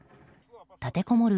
立てこもる